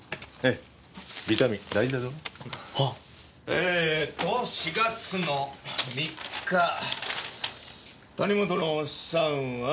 えと４月の３日谷本のおっさんは。